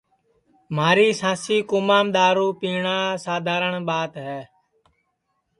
مھاری سانسی کُومام دؔارو پیٹؔا سادھارن ٻات ہے